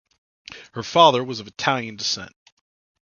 Her father was of Italian descent.